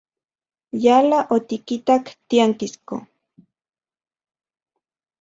Yala otikitak tiankisko.